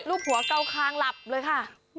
รูปหัวเกาคางหลับเลยค่ะ